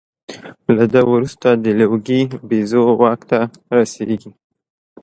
له ده وروسته د لوګي بیزو واک ته رسېږي.